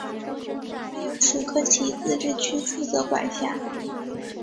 它由楚科奇自治区负责管辖。